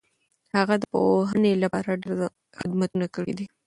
هغه د پوهنې لپاره ډېر خدمتونه کړي دي.